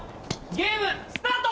ゲームスタート！